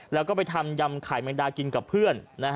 แล้วก็ไปทำยำไข่แมงดากินกับเพื่อน